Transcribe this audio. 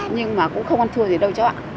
nhưng mà cũng không ăn thua gì đâu cho ạ